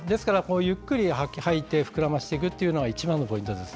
ゆっくり吐いて膨らませていただくのが一番のポイントです。